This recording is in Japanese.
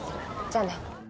じゃあね。